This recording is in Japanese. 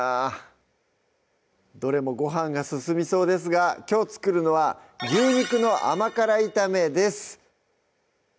どれもご飯が進みそうですがきょう作るのは「牛肉の甘辛炒め」です